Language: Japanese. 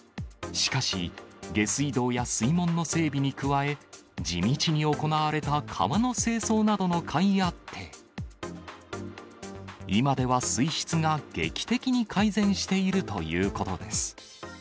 しかし、下水道や水門の整備に加え、地道に行われた川の清掃などのかいあって、今では水質が劇的に改善しているということです。